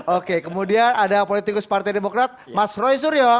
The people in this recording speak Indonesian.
oke kemudian ada politikus partai demokrat mas roy suryo